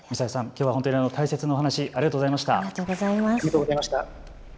きょうは本当に大切なお話、ありがとうございました。